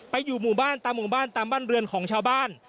อยู่หมู่บ้านตามหมู่บ้านตามบ้านเรือนของชาวบ้าน